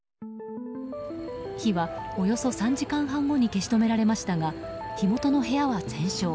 火はおよそ３時間半後に消し止められましたが火元の部屋は全焼。